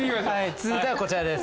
続いてはこちらです。